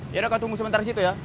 yaudah kau tunggu sebentar situ ya